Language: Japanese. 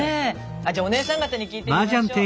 じゃお姉さん方に聞いてみましょう。